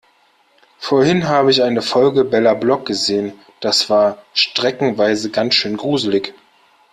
Vorhin habe ich eine Folge Bella Block gesehen, das war streckenweise ganz schön gruselig.